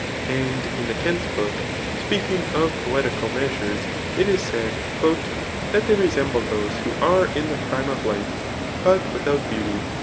"' And [In the 10th book] speakmg of poetical measures, it is said, That they resemble those who are in the prime of life, but without beauty.